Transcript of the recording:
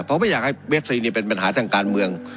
เพราะไม่อยากให้เวฟซีนี่เป็นปัญหาทางการเมือง